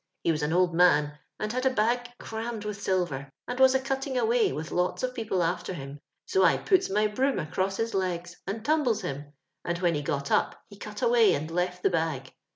He was an old man, and had a hag eiammed with silver, and was a euttinff away, with lots of people after him. So I puts my broom across his legs and tumbles him, and when he got up he cut away and loft the bag.